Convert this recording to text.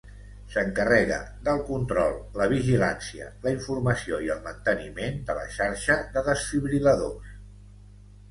S’encarrega, del control, la vigilància, la informació i el manteniment de la xarxa de desfibril·ladors.